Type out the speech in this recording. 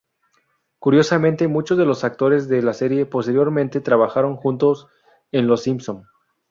Curiosamente, muchos de los actores de la serie posteriormente trabajaron juntos en Los Simpson.